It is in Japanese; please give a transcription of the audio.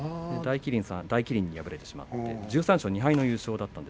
麒麟さんに敗れてしまって１３勝２敗の優勝でした。